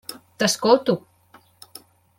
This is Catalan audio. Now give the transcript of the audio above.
T'escolto.